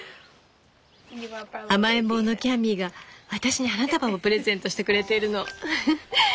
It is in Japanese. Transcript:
甘えん坊のキャミーが私に花束をプレゼントしてくれているの。